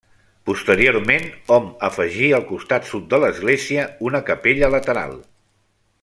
Posteriorment, hom afegí al costat sud de l'església una capella lateral.